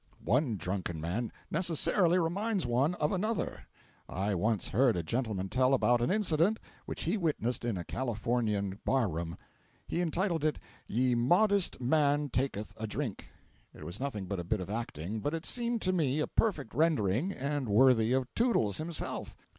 One drunken man necessarily reminds one of another. I once heard a gentleman tell about an incident which he witnessed in a Californian bar room. He entitled it "Ye Modest Man Taketh a Drink." It was nothing but a bit of acting, but it seemed to me a perfect rendering, and worthy of Toodles himself.